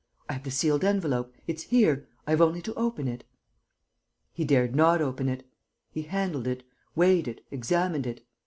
"I have the sealed envelope.... It's here.... I have only to open it." He dared not open it. He handled it, weighed it, examined it....